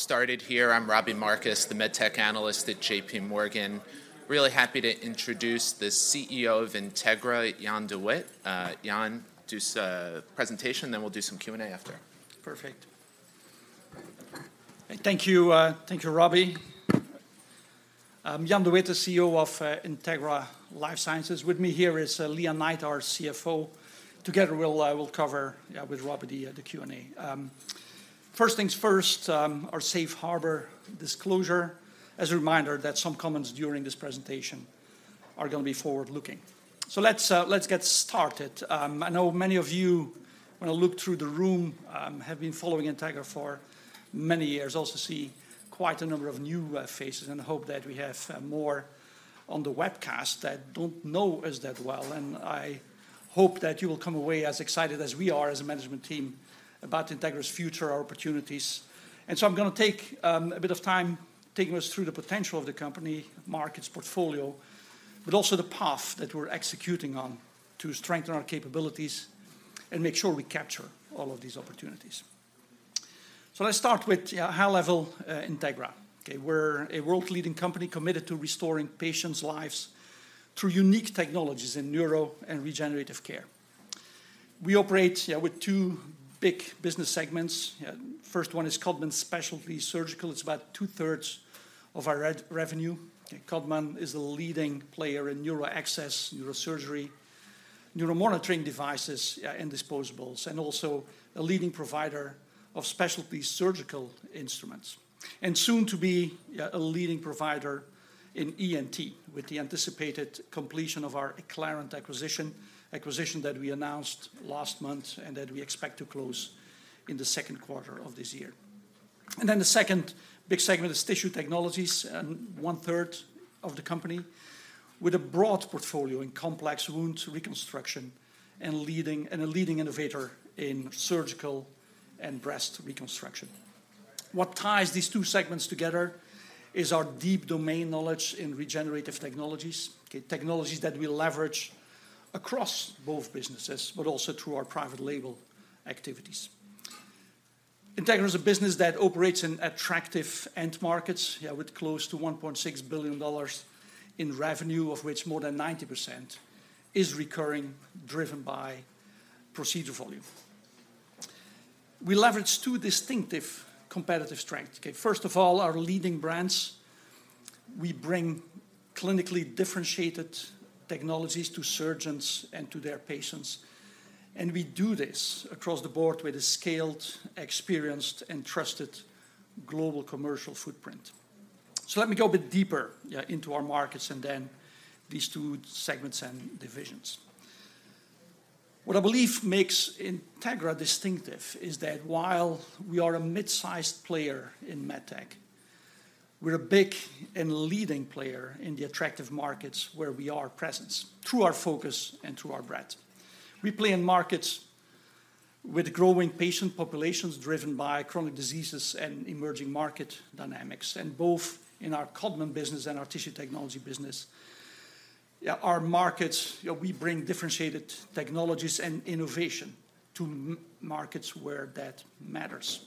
Started here. I'm Robbie Marcus, the MedTech analyst at J.P. Morgan. Really happy to introduce the CEO of Integra, Jan De Witte. Jan, do so a presentation, then we'll do some Q&A after. Perfect. Thank you, thank you, Robbie. I'm Jan De Witte, the CEO of Integra LifeSciences. With me here is Lea Knight, our CFO. Together, we'll cover, yeah, with Robbie, the Q&A. First things first, our safe harbor disclosure, as a reminder that some comments during this presentation are gonna be forward-looking. So let's get started. I know many of you, when I look through the room, have been following Integra for many years. Also see quite a number of new faces, and hope that we have more on the webcast that don't know us that well, and I hope that you will come away as excited as we are as a management team about Integra's future, our opportunities. I'm gonna take a bit of time taking us through the potential of the company, markets, portfolio, but also the path that we're executing on to strengthen our capabilities and make sure we capture all of these opportunities. So let's start with high-level Integra. Okay, we're a world-leading company committed to restoring patients' lives through unique technologies in neuro and regenerative care. We operate with two big business segments. First one is Codman Specialty Surgical. It's about two-thirds of our revenue. Okay, Codman is a leading player in neuro access, neurosurgery, neuromonitoring devices, and disposables, and also a leading provider of specialty surgical instruments, and soon to be a leading provider in ENT, with the anticipated completion of our Acclarent acquisition, acquisition that we announced last month, and that we expect to close in the second quarter of this year. And then the second big segment is Tissue Technologies, and one-third of the company, with a broad portfolio in complex wound reconstruction, and leading and a leading innovator in surgical and breast reconstruction. What ties these two segments together is our deep domain knowledge in regenerative technologies, okay? Technologies that we leverage across both businesses, but also through our private label activities. Integra is a business that operates in attractive end markets, yeah, with close to $1.6 billion in revenue, of which more than 90% is recurring, driven by procedure volume. We leverage two distinctive competitive strengths, okay. First of all, our leading brands. We bring clinically differentiated technologies to surgeons and to their patients, and we do this across the board with a scaled, experienced, and trusted global commercial footprint. So let me go a bit deeper, yeah, into our markets and then these two segments and divisions. What I believe makes Integra distinctive is that while we are a mid-sized player in med tech, we're a big and leading player in the attractive markets where we are present, through our focus and through our breadth. We play in markets with growing patient populations, driven by chronic diseases and emerging market dynamics, and both in our Codman business and our Tissue Technology business, yeah, our markets, yeah, we bring differentiated technologies and innovation to markets where that matters.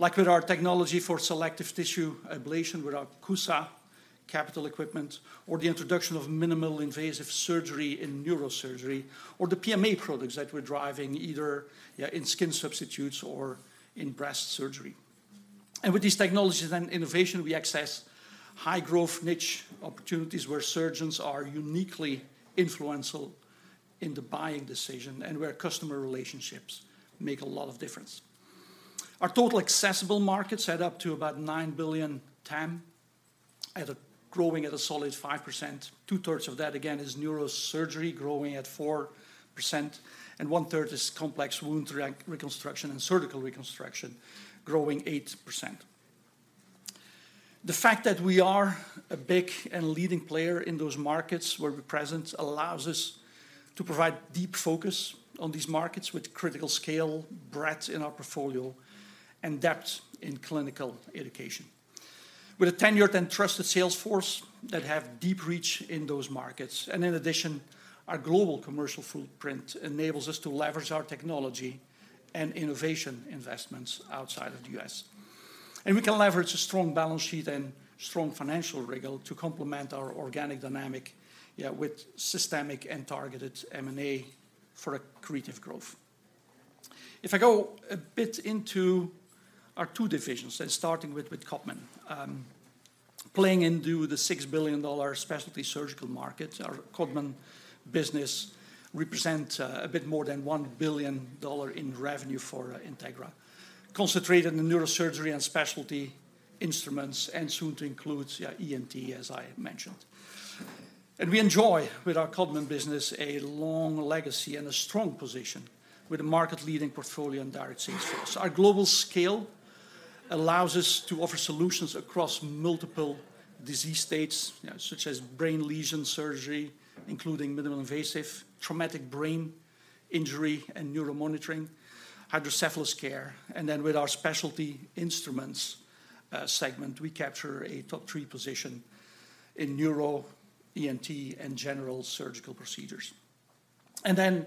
Like with our technology for selective tissue ablation with our CUSA capital equipment, or the introduction of minimal invasive surgery in neurosurgery, or the PMA products that we're driving, either, yeah, in skin substitutes or in breast surgery. With these technologies and innovation, we access high-growth niche opportunities where surgeons are uniquely influential in the buying decision and where customer relationships make a lot of difference. Our total accessible market is set up to about $9 billion TAM, growing at a solid 5%. Two-thirds of that, again, is neurosurgery, growing at 4%, and one-third is complex wound reconstruction and surgical reconstruction, growing 8%. The fact that we are a big and leading player in those markets where we're present allows us to provide deep focus on these markets with critical scale, breadth in our portfolio, and depth in clinical education. With a tenured and trusted sales force that have deep reach in those markets, and in addition, our global commercial footprint enables us to leverage our technology and innovation investments outside of the U.S. And we can leverage a strong balance sheet and strong financial rigor to complement our organic dynamic, yeah, with systemic and targeted M&A for accretive growth. If I go a bit into our two divisions, and starting with Codman. Playing into the $6 billion specialty surgical market, our Codman business represent a bit more than $1 billion in revenue for Integra, concentrated in neurosurgery and specialty instruments, and soon to include, yeah, ENT, as I mentioned. And we enjoy, with our Codman business, a long legacy and a strong position with a market-leading portfolio and direct sales force. Our global scale allows us to offer solutions across multiple disease states, yeah, such as brain lesion surgery, including minimal invasive, traumatic brain injury and neuromonitoring, hydrocephalus care, and then with our specialty instruments segment, we capture a top three position in neuro, ENT, and general surgical procedures. And then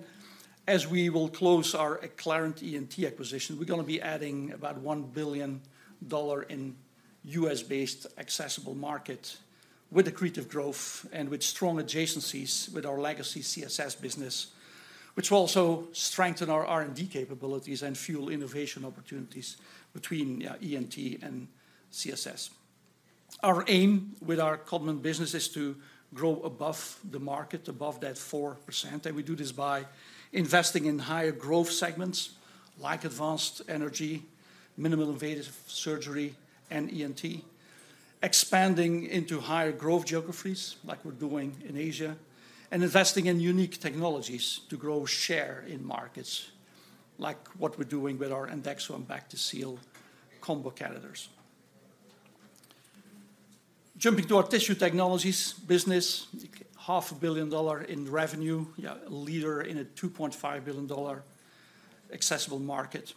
as we will close our Acclarent ENT acquisition, we're gonna be adding about $1 billion in U.S.-based accessible market with accretive growth and with strong adjacencies with our legacy CSS business, which will also strengthen our R&D capabilities and fuel innovation opportunities between ENT and CSS. Our aim with our Codman business is to grow above the market, above that 4%, and we do this by investing in higher growth segments like advanced energy, minimal invasive surgery, and ENT. Expanding into higher growth geographies, like we're doing in Asia, and investing in unique technologies to grow share in markets, like what we're doing with our Endexo Bactiseal combo catheters. Jumping to our tissue technologies business, $500 million in revenue. Yeah, a leader in a $2.5 billion accessible market,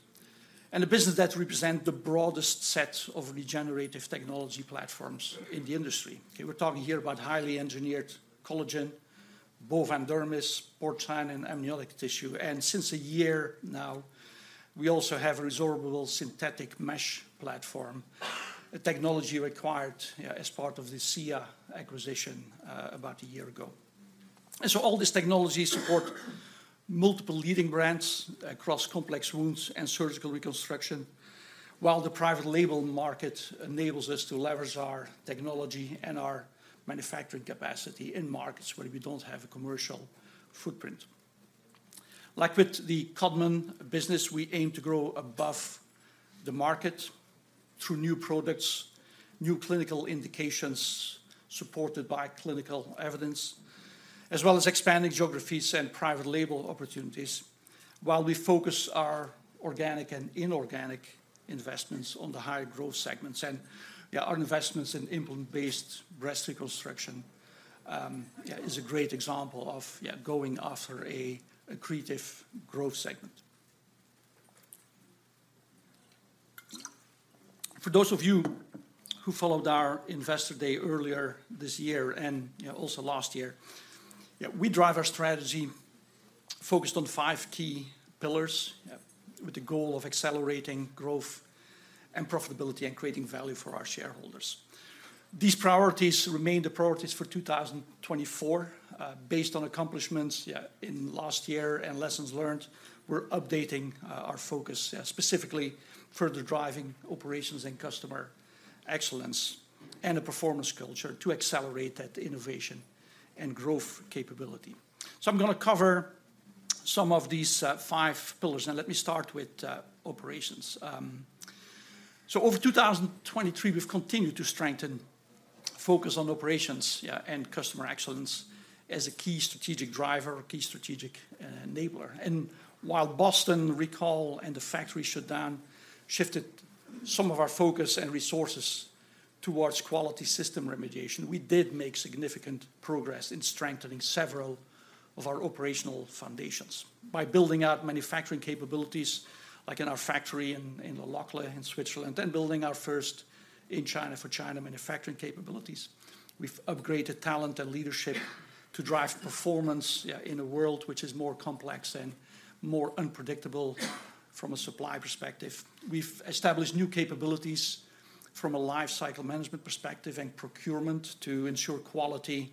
and a business that represent the broadest set of regenerative technology platforms in the industry. Okay, we're talking here about highly engineered collagen, bovine dermis, porcine, and amniotic tissue, and since a year now, we also have a resorbable synthetic mesh platform, a technology acquired, as part of the SIA acquisition, about a year ago. And so all these technologies support multiple leading brands across complex wounds and surgical reconstruction, while the private label market enables us to leverage our technology and our manufacturing capacity in markets where we don't have a commercial footprint. Like with the Codman business, we aim to grow above the market through new products, new clinical indications, supported by clinical evidence, as well as expanding geographies and private label opportunities, while we focus our organic and inorganic investments on the higher growth segments. And, yeah, our investments in implant-based breast reconstruction, yeah, is a great example of, yeah, going after a accretive growth segment. For those of you who followed our investor day earlier this year and, you know, also last year, yeah, we drive our strategy focused on five key pillars, with the goal of accelerating growth and profitability and creating value for our shareholders. These priorities remain the priorities for 2024. Based on accomplishments in last year and lessons learned, we're updating our focus, specifically further driving operations and customer excellence, and a performance culture to accelerate that innovation and growth capability. So I'm gonna cover some of these five pillars, and let me start with operations. So over 2023, we've continued to strengthen focus on operations and customer excellence as a key strategic driver, a key strategic enabler. And while Boston recall and the factory shutdown shifted some of our focus and resources towards quality system remediation, we did make significant progress in strengthening several of our operational foundations. By building out manufacturing capabilities, like in our factory in Le Locie in Switzerland, and building our first in China for China manufacturing capabilities. We've upgraded talent and leadership to drive performance, yeah, in a world which is more complex and more unpredictable from a supply perspective. We've established new capabilities from a lifecycle management perspective and procurement to ensure quality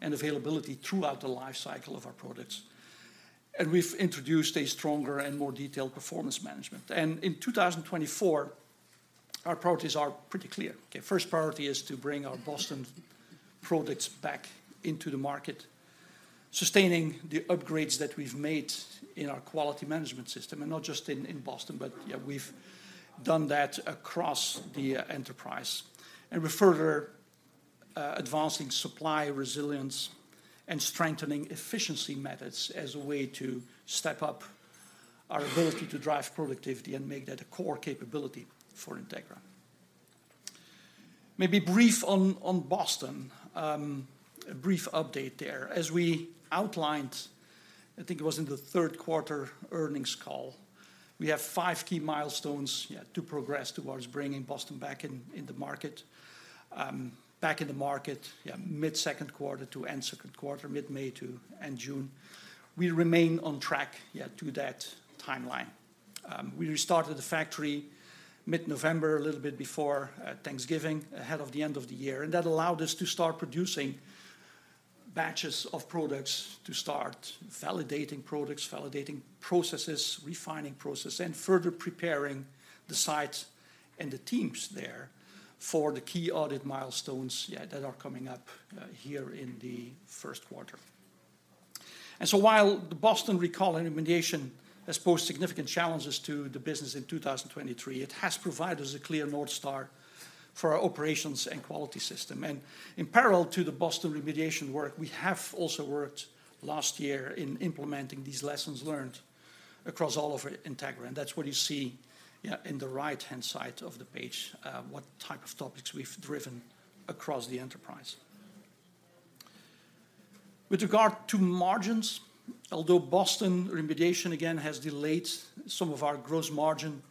and availability throughout the lifecycle of our products, and we've introduced a stronger and more detailed performance management. And in 2024, our priorities are pretty clear. Okay, first priority is to bring our Boston products back into the market, sustaining the upgrades that we've made in our quality management system, and not just in Boston, but yeah, we've done that across the enterprise. And we're further advancing supply resilience and strengthening efficiency methods as a way to step up our ability to drive productivity and make that a core capability for Integra. Maybe brief on Boston. A brief update there. As we outlined, I think it was in the third quarter earnings call, we have 5 key milestones to progress towards bringing Boston back in the market mid-second quarter to end second quarter, mid-May to end June. We remain on track to that timeline. We restarted the factory mid-November, a little bit before Thanksgiving, ahead of the end of the year, and that allowed us to start producing batches of products, to start validating products, validating processes, refining processes, and further preparing the sites and the teams there for the key audit milestones that are coming up here in the first quarter. So while the Boston recall and remediation has posed significant challenges to the business in 2023, it has provided us a clear North Star for our operations and quality system. And in parallel to the Boston remediation work, we have also worked last year in implementing these lessons learned across all of Integra, and that's what you see in the right-hand side of the page, what type of topics we've driven across the enterprise. With regard to margins, although Boston remediation, again, has delayed some of our gross margin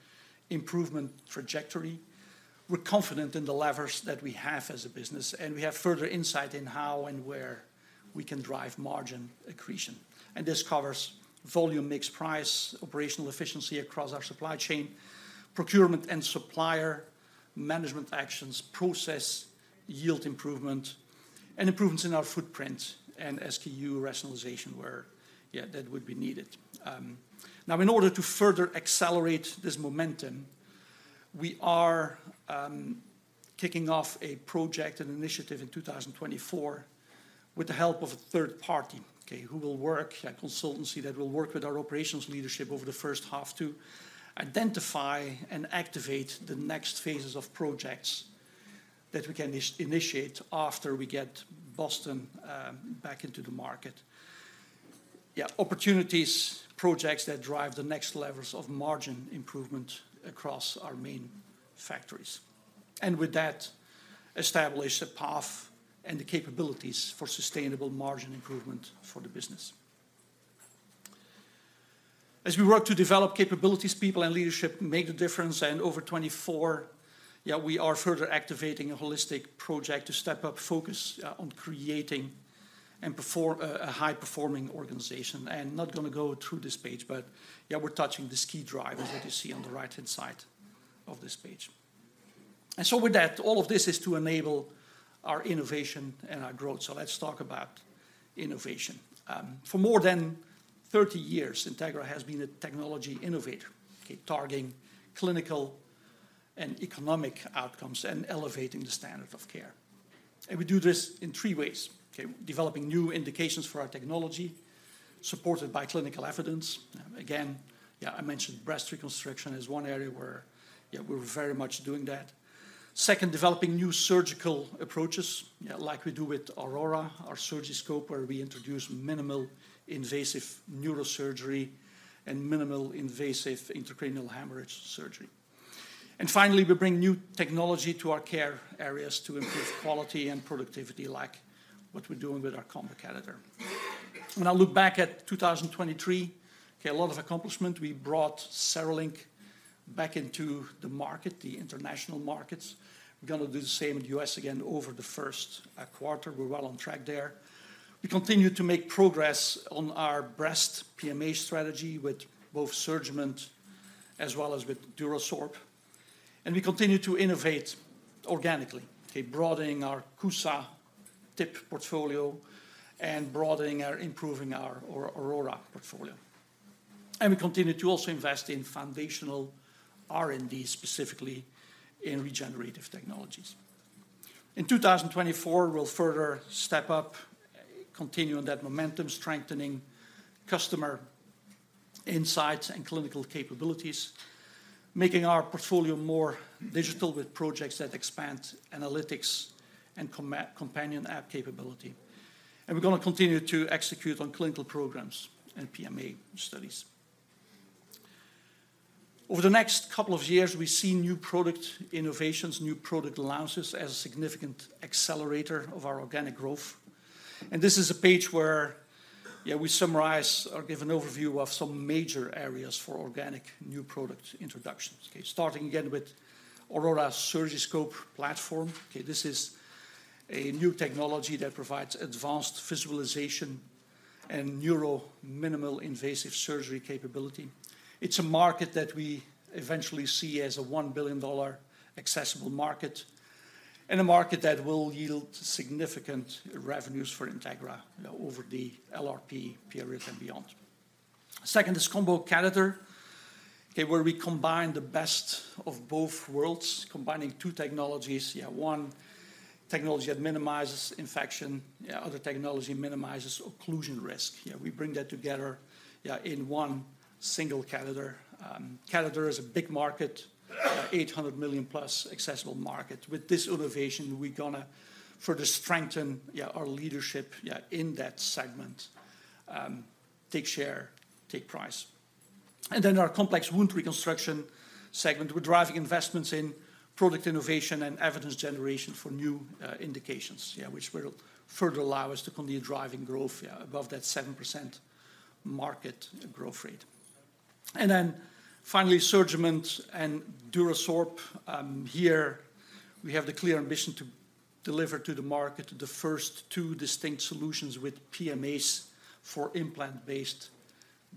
improvement trajectory, we're confident in the levers that we have as a business, and we have further insight in how and where we can drive margin accretion. This covers volume, mix, price, operational efficiency across our supply chain, procurement and supplier management actions, process, yield improvement, and improvements in our footprint, and SKU rationalization where that would be needed. Now, in order to further accelerate this momentum, we are kicking off a project, an initiative in 2024, with the help of a third party, okay? A consultancy that will work with our operations leadership over the first half to identify and activate the next phases of projects that we can initiate after we get Boston back into the market. Opportunities, projects that drive the next levels of margin improvement across our main factories. And with that, establish a path and the capabilities for sustainable margin improvement for the business. As we work to develop capabilities, people and leadership make the difference, and over 2024, we are further activating a holistic project to step up focus on creating and performing a high-performing organization. Not gonna go through this page, but, yeah, we're touching the key drivers that you see on the right-hand side of this page. So with that, all of this is to enable our innovation and our growth. Let's talk about innovation. For more than 30 years, Integra has been a technology innovator, okay? Targeting clinical and economic outcomes and elevating the standard of care. We do this in three ways, okay: developing new indications for our technology, supported by clinical evidence. Again, yeah, I mentioned breast reconstruction is one area where, yeah, we're very much doing that. Second, developing new surgical approaches, yeah, like we do with Aurora, our Surgiscope, where we introduce minimal invasive neurosurgery and minimal invasive intracranial hemorrhage surgery. And finally, we bring new technology to our care areas to improve quality and productivity, like what we're doing with our combo catheter. When I look back at 2023, okay, a lot of accomplishment. We brought CereLink back into the market, the international markets. We're gonna do the same in the US again over the first quarter. We're well on track there. We continue to make progress on our breast PMA strategy with both SurgiMend as well as with DuraSorb. And we continue to innovate organically, okay? Broadening our CUSA Tip portfolio and improving our Aurora portfolio. And we continue to also invest in foundational R&D, specifically in regenerative technologies. In 2024, we'll further step up, continue on that momentum, strengthening customer insights and clinical capabilities, making our portfolio more digital with projects that expand analytics and companion app capability. And we're gonna continue to execute on clinical programs and PMA studies. Over the next couple of years, we've seen new product innovations, new product launches, as a significant accelerator of our organic growth. And this is a page where, yeah, we summarize or give an overview of some major areas for organic new product introductions, okay? Starting again with Aurora Surgiscope platform. Okay, this is a new technology that provides advanced visualization and neuro minimal invasive surgery capability. It's a market that we eventually see as a $1 billion accessible market, and a market that will yield significant revenues for Integra, you know, over the LRP period and beyond. Second is combo catheter, okay, where we combine the best of both worlds, combining two technologies. One technology that minimizes infection. Other technology minimizes occlusion risk. We bring that together in one single catheter. Catheter is a big market, $800 million-plus accessible market. With this innovation, we're gonna further strengthen our leadership in that segment, take share, take price. And then our complex wound reconstruction segment, we're driving investments in product innovation and evidence generation for new indications, which will further allow us to continue driving growth above that 7% market growth rate. And then finally, SurgiMend and DuraSorb. Here, we have the clear ambition to deliver to the market the first two distinct solutions with PMAs for implant-based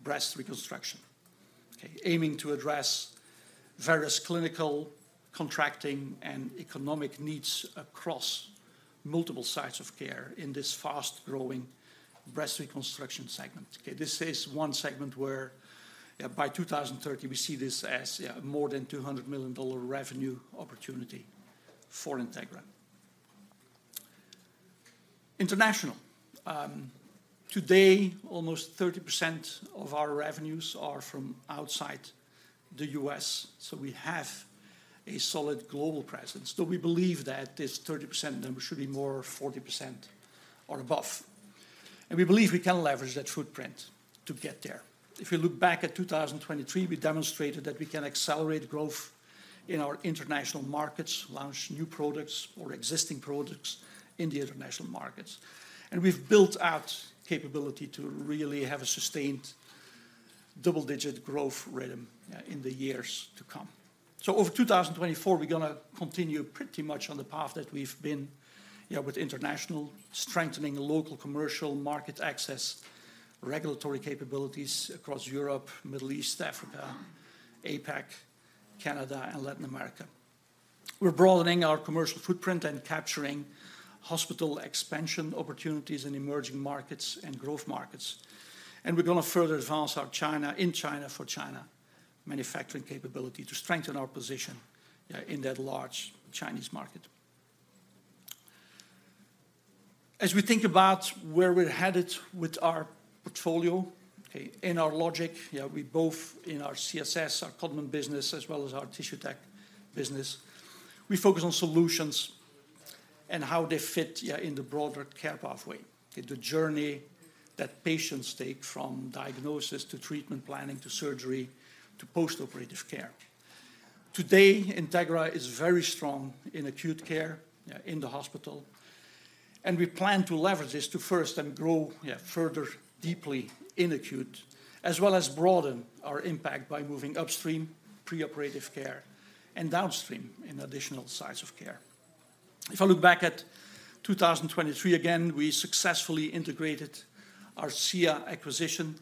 breast reconstruction. Okay, aiming to address various clinical, contracting, and economic needs across multiple sites of care in this fast-growing breast reconstruction segment. Okay, this is one segment where, yeah, by 2030, we see this as, yeah, more than $200 million revenue opportunity for Integra. International. Today, almost 30% of our revenues are from outside the US, so we have a solid global presence, though we believe that this 30% number should be more 40% or above. And we believe we can leverage that footprint to get there. If you look back at 2023, we demonstrated that we can accelerate growth in our international markets, launch new products or existing products in the international markets. And we've built out capability to really have a sustained double-digit growth rhythm in the years to come. So over 2024, we're gonna continue pretty much on the path that we've been, yeah, with international, strengthening local commercial market access, regulatory capabilities across Europe, Middle East, Africa, APAC, Canada, and Latin America. We're broadening our commercial footprint and capturing hospital expansion opportunities in emerging markets and growth markets, and we're gonna further advance our China, in China, for China, manufacturing capability to strengthen our position, in that large Chinese market. As we think about where we're headed with our portfolio, okay, in our logic, yeah, we both, in our CSS, our Codman business, as well as our tissue tech business, we focus on solutions and how they fit, yeah, in the broader care pathway. In the journey that patients take, from diagnosis, to treatment planning, to surgery, to post-operative care. Today, Integra is very strong in acute care, in the hospital, and we plan to leverage this to first, and grow, further, deeply in acute, as well as broaden our impact by moving upstream, pre-operative care, and downstream in additional sites of care. If I look back at 2023, again, we successfully integrated our SIA acquisition,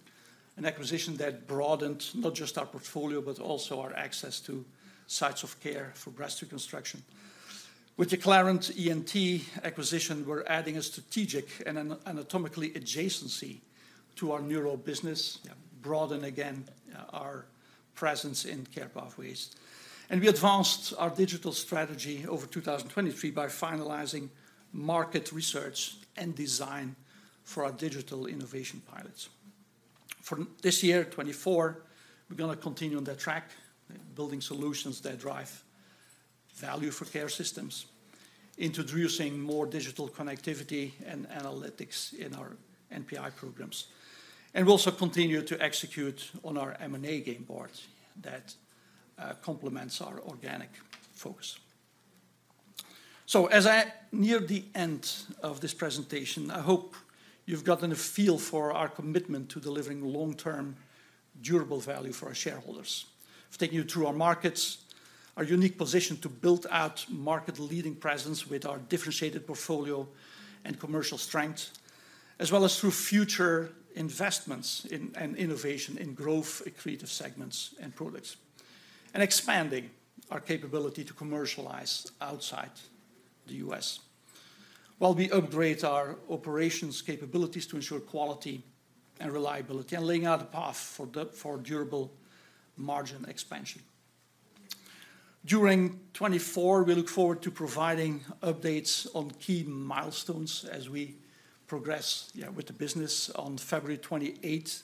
an acquisition that broadened not just our portfolio, but also our access to sites of care for breast reconstruction. With the Acclarent ENT acquisition, we're adding a strategic and an anatomical adjacency to our neural business, broaden again, our presence in care pathways. We advanced our digital strategy over 2023 by finalizing market research and design for our digital innovation pilots. For this year, 2024, we're gonna continue on that track, building solutions that drive value for care systems, introducing more digital connectivity and analytics in our NPI programs. And we also continue to execute on our M&A game board that complements our organic focus. So as I near the end of this presentation, I hope you've gotten a feel for our commitment to delivering long-term, durable value for our shareholders. I've taken you through our markets, our unique position to build out market-leading presence with our differentiated portfolio and commercial strength, as well as through future investments in and innovation in growth, accretive segments and products, and expanding our capability to commercialize outside the US, while we upgrade our operations capabilities to ensure quality and reliability, and laying out a path for for durable margin expansion. During 2024, we look forward to providing updates on key milestones as we progress, yeah, with the business. On February 28th,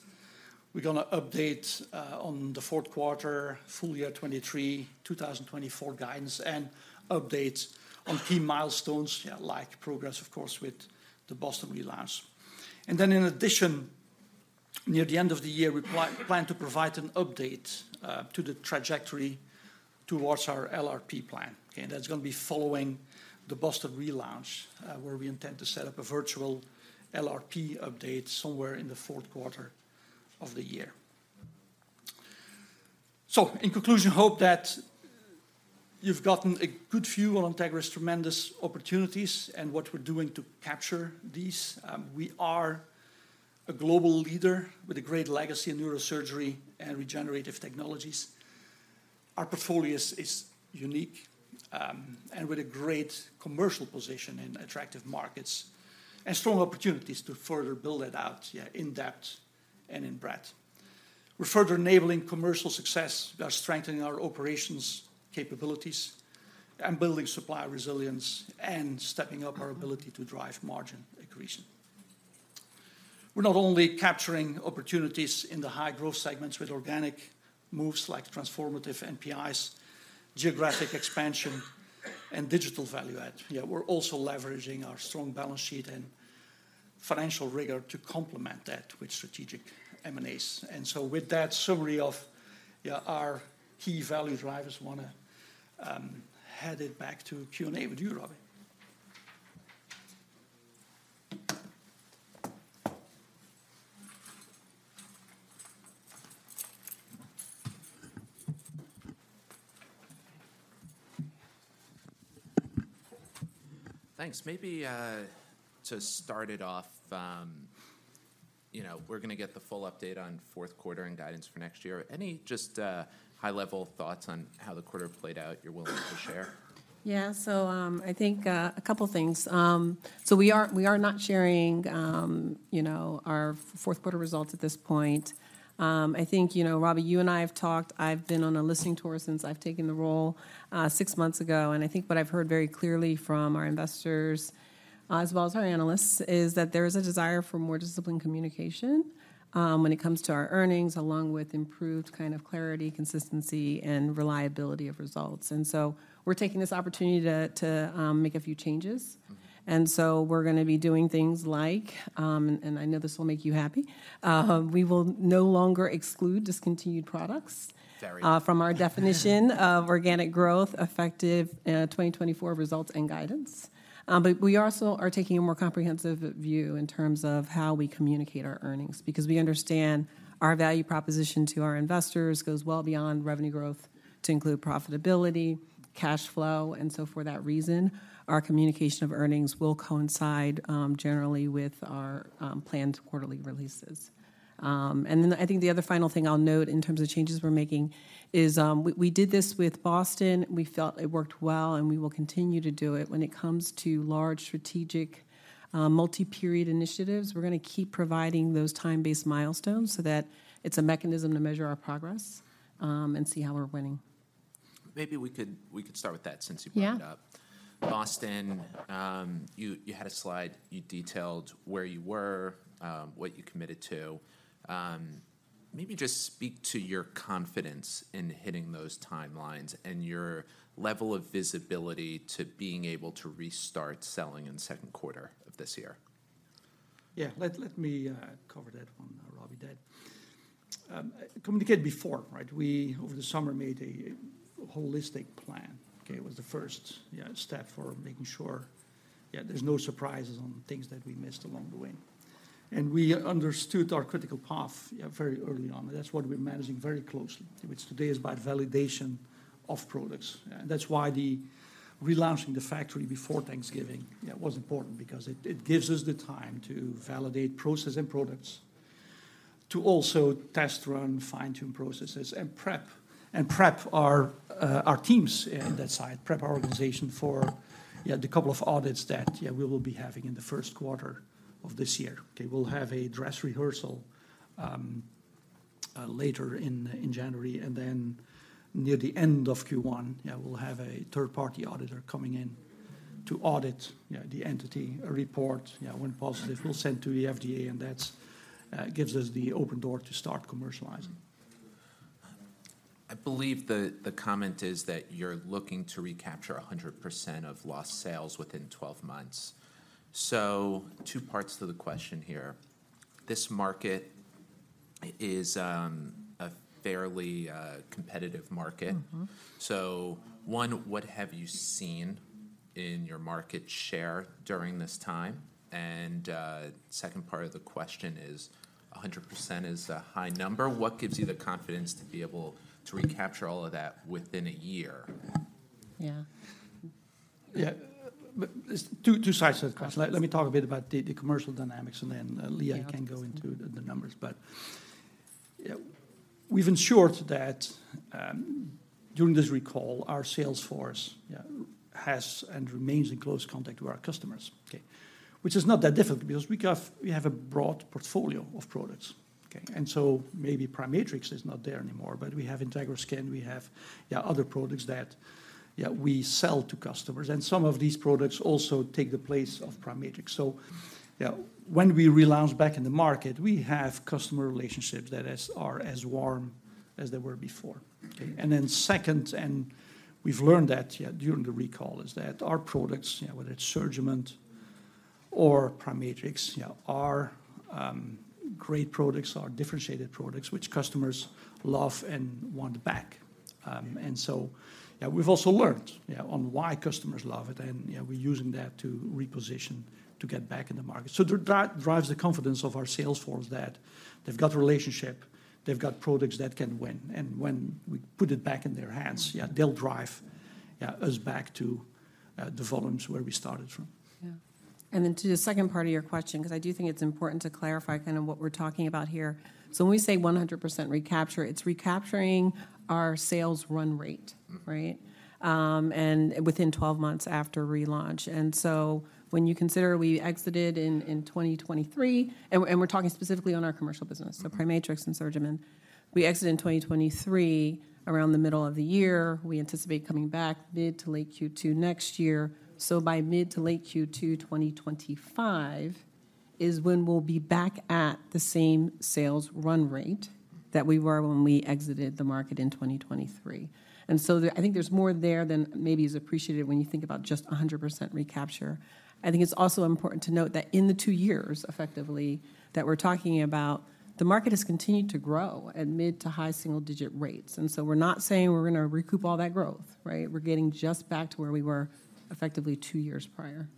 we're gonna update on the fourth quarter, full year 2023, 2024 guidance, and updates on key milestones, like progress with the Boston relaunch. And then, in addition, near the end of the year, we plan to provide an update to the trajectory towards our LRP plan, okay? And that's gonna be following the Boston relaunch, where we intend to set up a virtual LRP update somewhere in the fourth quarter of the year. So in conclusion, I hope that you've gotten a good view on Integra's tremendous opportunities and what we're doing to capture these. We are a global leader with a great legacy in neurosurgery and regenerative technologies. Our portfolio is unique and with a great commercial position in attractive markets, and strong opportunities to further build it out in depth and in breadth. We're further enabling commercial success by strengthening our operations capabilities and building supplier resilience, and stepping up our ability to drive margin accretion. We're not only capturing opportunities in the high-growth segments with organic moves like transformative NPIs, geographic expansion, and digital value add. Yeah, we're also leveraging our strong balance sheet and financial rigor to complement that with strategic M&As. And so with that summary of, yeah, our key value drivers, wanna hand it back to Q&A with you, Robbie. Thanks. Maybe, to start it off, you know, we're gonna get the full update on fourth quarter and guidance for next year. Any just, high-level thoughts on how the quarter played out you're willing to share? Yeah. So, I think a couple things. So we are not sharing, you know, our fourth quarter results at this point. I think, you know, Robbie, you and I have talked. I've been on a listening tour since I've taken the role, six months ago, and I think what I've heard very clearly from our investors, as well as our analysts, is that there is a desire for more disciplined communication, when it comes to our earnings, along with improved kind of clarity, consistency, and reliability of results. And so we're taking this opportunity to make a few changes. Mm-hmm. And so we're gonna be doing things like, and I know this will make you happy. We will no longer exclude discontinued products- Very. From our definition of organic growth, effective 2024 results and guidance. But we also are taking a more comprehensive view in terms of how we communicate our earnings, because we understand our value proposition to our investors goes well beyond revenue growth to include profitability, cash flow. And so for that reason, our communication of earnings will coincide generally with our planned quarterly releases. And then I think the other final thing I'll note in terms of changes we're making is, we did this with Boston. We felt it worked well, and we will continue to do it. When it comes to large, strategic multi-period initiatives, we're gonna keep providing those time-based milestones so that it's a mechanism to measure our progress and see how we're winning.... Maybe we could, we could start with that since you brought it up. Yeah. Boston, you had a slide, you detailed where you were, what you committed to. Maybe just speak to your confidence in hitting those timelines and your level of visibility to being able to restart selling in the second quarter of this year. Yeah. Let me cover that one, Robbie. Communicate before, right? We, over the summer, made a holistic plan. Okay, it was the first, yeah, step for making sure, yeah, there's no surprises on things that we missed along the way. And we understood our critical path, yeah, very early on. That's what we're managing very closely, which today is by validation of products. And that's why relaunching the factory before Thanksgiving, yeah, was important, because it gives us the time to validate process and products, to also test run, fine-tune processes, and prep our teams in that site. Prep our organization for, yeah, the couple of audits that, yeah, we will be having in the first quarter of this year. Okay, we'll have a dress rehearsal later in January, and then near the end of Q1, yeah, we'll have a third-party auditor coming in to audit, yeah, the entity. A report, yeah, when positive, we'll send to the FDA, and that's gives us the open door to start commercializing. I believe the comment is that you're looking to recapture 100% of lost sales within 12 months. So 2 parts to the question here. This market is a fairly competitive market. Mm-hmm. So, one, what have you seen in your market share during this time? And, second part of the question is, 100% is a high number. What gives you the confidence to be able to recapture all of that within a year? Yeah. Yeah. But there's two sides to the question. Let me talk a bit about the commercial dynamics, and then, Lea- Yeah... can go into the numbers. But yeah, we've ensured that during this recall, our sales force yeah has and remains in close contact with our customers, okay? Which is not that difficult because we have a broad portfolio of products, okay? And so maybe PriMatrix is not there anymore, but we have Integra Skin, yeah, other products that yeah we sell to customers. And some of these products also take the place of PriMatrix. So yeah, when we relaunch back in the market, we have customer relationships that are as warm as they were before. Okay, and then second, and we've learned that yeah during the recall is that our products you know whether it's SurgiMend or PriMatrix yeah are great products, are differentiated products, which customers love and want back. And so yeah, we've also learned, yeah, on why customers love it, and, yeah, we're using that to reposition to get back in the market. So that drives the confidence of our sales force, that they've got a relationship, they've got products that can win. And when we put it back in their hands, yeah, they'll drive, yeah, us back to the volumes where we started from. Yeah. And then to the second part of your question, because I do think it's important to clarify kind of what we're talking about here. So when we say 100% recapture, it's recapturing our sales run rate- Mm-hmm... right? And within 12 months after relaunch. So when you consider we exited in 2023, and we're talking specifically on our commercial business- Mm-hmm... so PriMatrix and SurgiMend. We exited in 2023, around the middle of the year. We anticipate coming back mid- to late Q2 next year. So by mid- to late Q2 2025, is when we'll be back at the same sales run rate that we were when we exited the market in 2023. And so there, I think there's more there than maybe is appreciated when you think about just 100% recapture. I think it's also important to note that in the two years, effectively, that we're talking about, the market has continued to grow at mid- to high single-digit rates. And so we're not saying we're gonna recoup all that growth, right? We're getting just back to where we were effectively two years prior.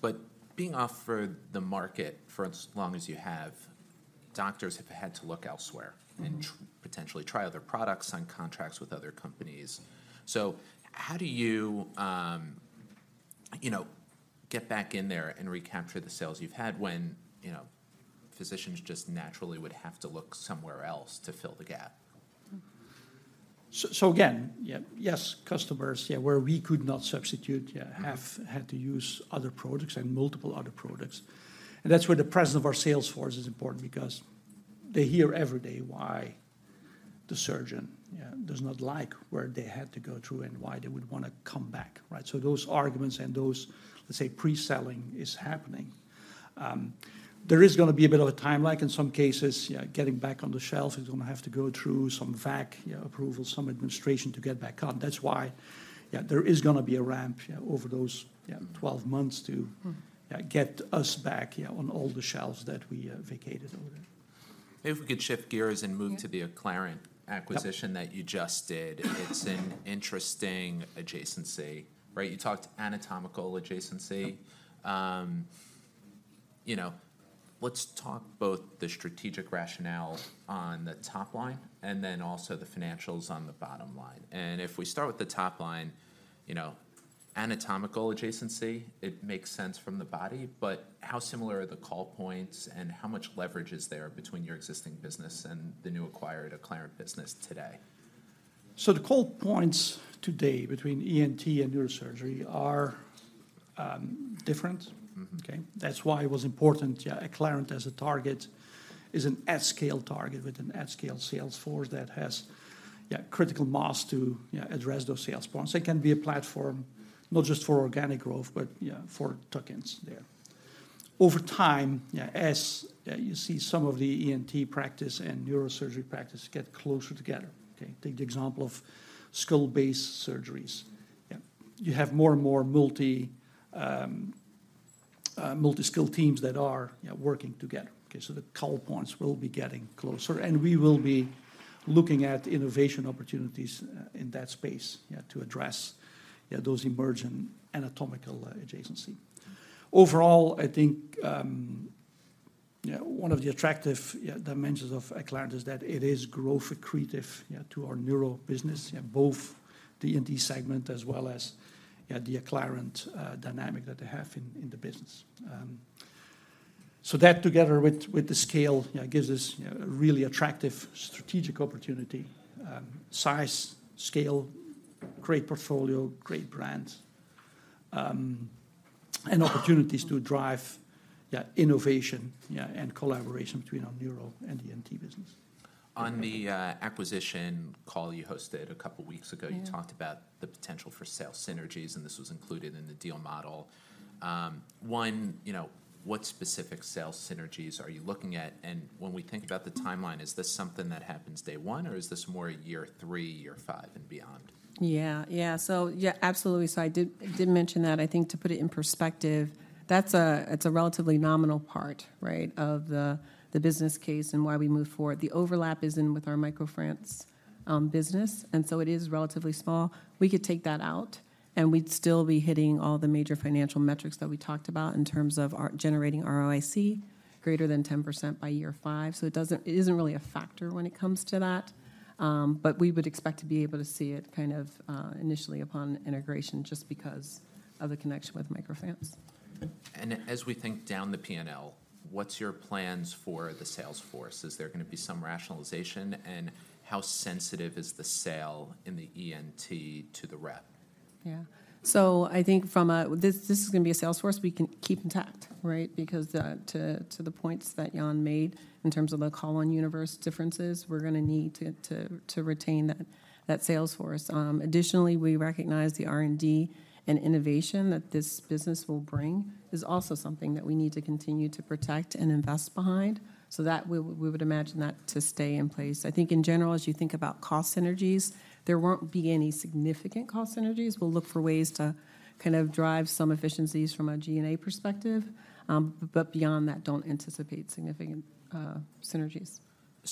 But being off the market for as long as you have, doctors have had to look elsewhere- Mm-hmm... and potentially try other products, sign contracts with other companies. So how do you, you know, get back in there and recapture the sales you've had when, you know, physicians just naturally would have to look somewhere else to fill the gap? So again, yeah, yes, customers, yeah, where we could not substitute, yeah, have had to use other products and multiple other products. And that's where the presence of our sales force is important because they hear every day why the surgeon, yeah, does not like where they had to go through and why they would wanna come back, right? So those arguments and those, let's say, pre-selling, is happening. There is gonna be a bit of a timeline in some cases, yeah, getting back on the shelf. It's gonna have to go through some VAC, yeah, approval, some administration to get back on. That's why, yeah, there is gonna be a ramp, yeah, over those, yeah- Mm... 12 months to- Mm-hmm... yeah, get us back, yeah, on all the shelves that we vacated over there. If we could shift gears and move- Yeah... to the Acclarent acquisition- Yep... that you just did. It's an interesting adjacency, right? You talked anatomical adjacency. You know, let's talk both the strategic rationale on the top line, and then also the financials on the bottom line. If we start with the top line, you know, anatomical adjacency, it makes sense from the body, but how similar are the call points, and how much leverage is there between your existing business and the new acquired Acclarent business today? So the call points today between ENT and neurosurgery are different. Mm-hmm. Okay? That's why it was important, yeah, Acclarent as a target is an at-scale target with an at-scale sales force that has, yeah, critical mass to, yeah, address those sales points. It can be a platform not just for organic growth, but yeah, for tuck-ins there. Over time, yeah, as you see some of the ENT practice and neurosurgery practice get closer together, okay? Take the example of skull base surgeries. Yeah. You have more and more multi-skilled teams that are, yeah, working together. Okay, so the call points will be getting closer, and we will be looking at innovation opportunities in that space, yeah, to address, yeah, those emerging anatomical adjacency. Overall, I think, yeah, one of the attractive, yeah, dimensions of Acclarent is that it is growth accretive, yeah, to our neural business. Yeah, both the ENT segment as well as, yeah, the Acclarent dynamic that they have in the business. So that together with the scale, yeah, gives us, yeah, a really attractive strategic opportunity. Size, scale, great portfolio, great brands, and opportunities to drive, yeah, innovation, yeah, and collaboration between our neural and ENT business. On the acquisition call you hosted a couple weeks ago- Yeah. You talked about the potential for sales synergies, and this was included in the deal model. One, you know, what specific sales synergies are you looking at? And when we think about the timeline, is this something that happens day one, or is this more year three, year five, and beyond? Yeah. Yeah, so yeah, absolutely. So I did mention that. I think to put it in perspective, that's a—it's a relatively nominal part, right, of the business case and why we moved forward. The overlap is in with our MicroFrance business, and so it is relatively small. We could take that out, and we'd still be hitting all the major financial metrics that we talked about in terms of our generating ROIC greater than 10% by year five. So it doesn't—it isn't really a factor when it comes to that, but we would expect to be able to see it kind of initially upon integration, just because of the connection with MicroFrance. As we think down the P&L, what's your plans for the sales force? Is there gonna be some rationalization, and how sensitive is the sale in the ENT to the rep? Yeah. So I think from a... This, this is gonna be a sales force we can keep intact, right? Because, to the points that Jan made in terms of the call-on universe differences, we're gonna need to retain that sales force. Additionally, we recognize the R&D and innovation that this business will bring is also something that we need to continue to protect and invest behind. So that we would imagine that to stay in place. I think in general, as you think about cost synergies, there won't be any significant cost synergies. We'll look for ways to kind of drive some efficiencies from a G&A perspective, but beyond that, don't anticipate significant synergies.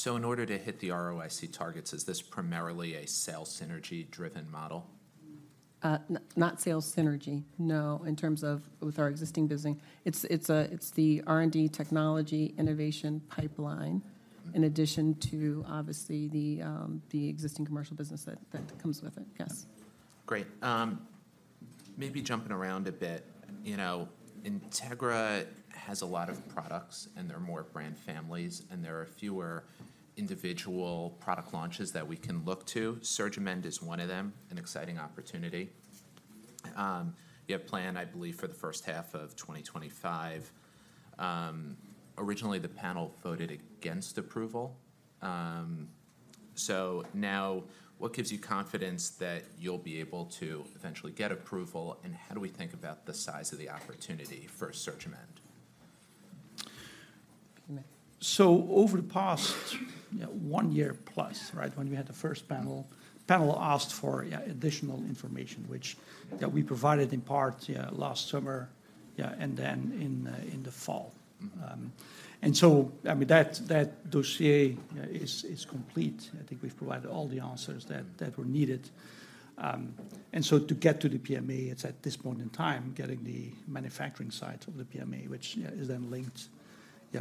In order to hit the ROIC targets, is this primarily a sales synergy-driven model? Not sales synergy, no, in terms of with our existing business. It's the R&D technology innovation pipeline- Mm-hmm ... in addition to, obviously, the existing commercial business that comes with it. Yes. Great. Maybe jumping around a bit, you know, Integra has a lot of products, and they're more brand families, and there are fewer individual product launches that we can look to. SurgiMend is one of them, an exciting opportunity. You have planned, I believe, for the first half of 2025. Originally, the panel voted against approval. So now, what gives you confidence that you'll be able to eventually get approval, and how do we think about the size of the opportunity for SurgiMend? So over the past one year plus, when we had the first panel, the panel asked for additional information, which that we provided in part last summer, and then in the fall. I mean, that dossier is complete. I think we've provided all the answers that were needed. And so to get to the PMA, it's at this point in time getting the manufacturing side of the PMA, which is then linked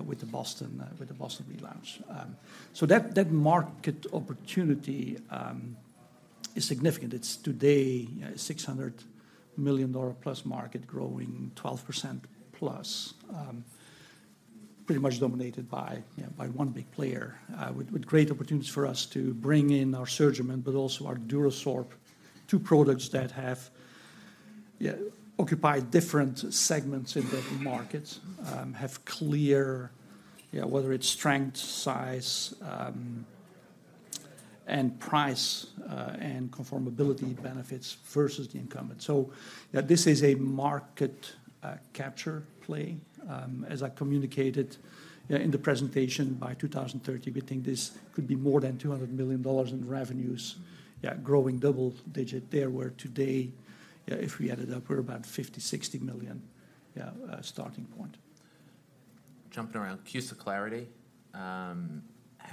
with the Boston relaunch. So that market opportunity is significant. It's today a $600 million+ market, growing 12%+. Pretty much dominated by one big player, with great opportunities for us to bring in our SurgiMend, but also our DuraSorb, two products that have occupied different segments in the markets. Have clear, whether it's strength, size, and price, and conformability benefits versus the incumbent. So, this is a market capture play. As I communicated in the presentation, by 2030, we think this could be more than $200 million in revenues- Mm-hmm. Yeah, growing double-digit there, where today, yeah, if we add it up, we're about $50-$60 million, yeah, starting point. Jumping around, CUSA Clarity. How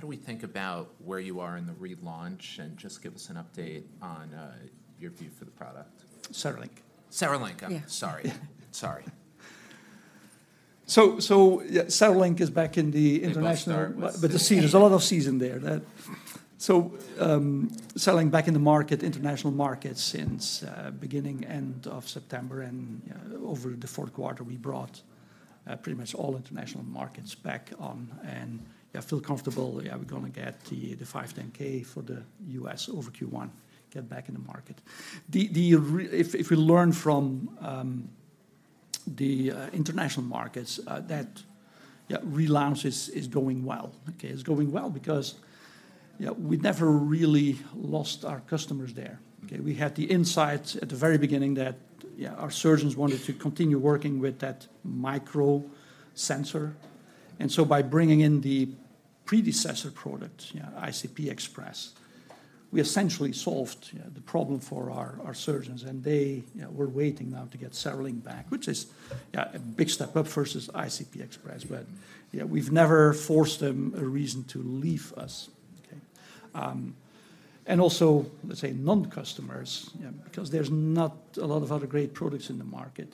do we think about where you are in the relaunch, and just give us an update on your view for the product? Cerelink. Cerelink. Yeah. I'm sorry. Yeah. Sorry. Yeah, CereLink is back in the international- They both start with C. But the C, there's a lot of Cs in there. So, selling back in the market, international market, since beginning, end of September, and over the fourth quarter, we brought pretty much all international markets back on, and I feel comfortable, yeah, we're gonna get the 510(k) for the US over Q1, get back in the market. There, if we learn from the international markets that yeah, relaunch is going well. Okay? It's going well because yeah, we never really lost our customers there. Okay? We had the insights at the very beginning that yeah, our surgeons wanted to continue working with that micro sensor. By bringing in the predecessor product, yeah, ICP Express, we essentially solved, yeah, the problem for our surgeons, and they, yeah, were waiting now to get CereLink back, which is, yeah, a big step up versus ICP Express. But, yeah, we've never forced them a reason to leave us. Okay? And also, let's say, non-customers, yeah, because there's not a lot of other great products in the market.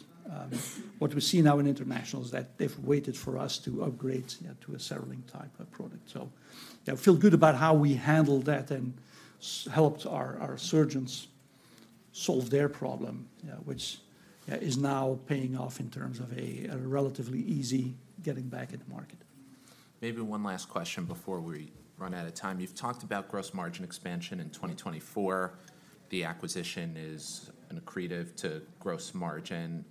What we see now in international is that they've waited for us to upgrade, yeah, to a CereLink-type of product. So, yeah, I feel good about how we handled that and helped our surgeons solve their problem, which is now paying off in terms of a relatively easy getting back in the market. Maybe one last question before we run out of time. You've talked about gross margin expansion in 2024. The acquisition is an accretive to gross margin.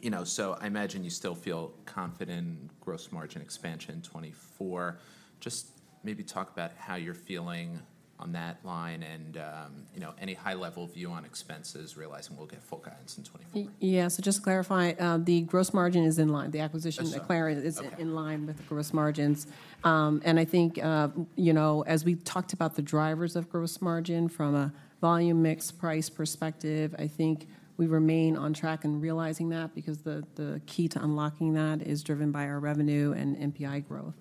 You know, so I imagine you still feel confident in gross margin expansion in 2024. Just maybe talk about how you're feeling on that line and, you know, any high-level view on expenses, realizing we'll get full guidance in 2024. Yeah, so just to clarify, the gross margin is in line. The acquisition- That's so... Acclarent is in line- Okay... with the gross margins. And I think, you know, as we talked about the drivers of gross margin from a volume, mix, price perspective, I think we remain on track in realizing that because the key to unlocking that is driven by our revenue and NPI growth.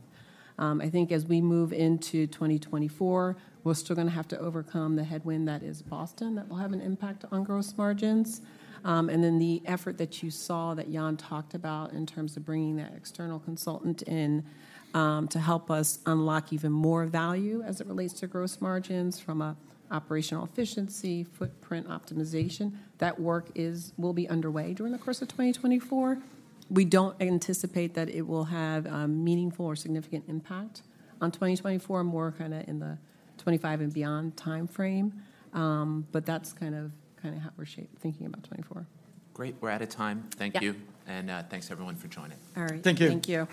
I think as we move into 2024, we're still gonna have to overcome the headwind that is Boston, that will have an impact on gross margins. And then the effort that you saw, that Jan talked about in terms of bringing that external consultant in, to help us unlock even more value as it relates to gross margins from a operational efficiency, footprint optimization, that work will be underway during the course of 2024. We don't anticipate that it will have meaningful or significant impact on 2024, more kinda in the 2025 and beyond timeframe. But that's kind of, kinda how we're thinking about 2024. Great. We're out of time. Thank you. Yeah. Thanks, everyone, for joining. All right. Thank you. Thank you.